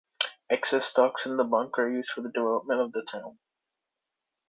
Excess stocks in the bunk are used for the development of the town.